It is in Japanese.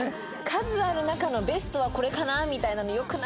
数ある中のベストはこれかなみたいなの良くないですよ。